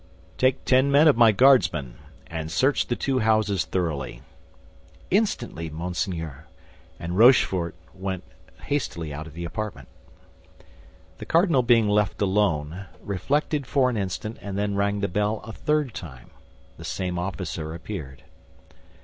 "Take ten men of my Guardsmen, and search the two houses thoroughly." "Instantly, monseigneur." And Rochefort went hastily out of the apartment. The cardinal, being left alone, reflected for an instant and then rang the bell a third time. The same officer appeared.